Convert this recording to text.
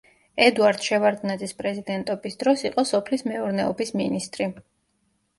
ედუარდ შევარდნაძის პრეზიდენტობის დროს იყო სოფლის მეურნეობის მინისტრი.